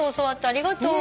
ありがとう。